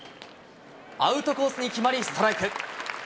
アウトコースに決まり、ストライク。